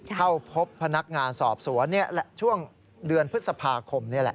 เข้าพบพนักงานสอบสวนช่วงเดือนพฤษภาคมนี่แหละ